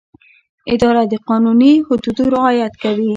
اداره د قانوني حدودو رعایت کوي.